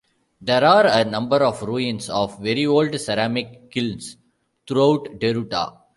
There are a number of ruins of very old ceramic kilns throughout Deruta.